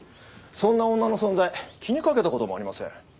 そんな女の存在気にかけた事もありません。